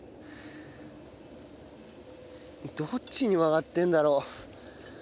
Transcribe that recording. どっちに曲がってるんだろう？